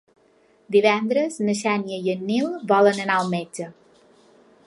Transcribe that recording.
Divendres na Xènia i en Nil volen anar al metge.